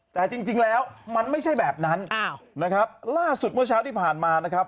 แต่จริงแล้วมันไม่ใช่แบบนั้นนะครับล่าสุดเมื่อเช้าที่ผ่านมานะครับ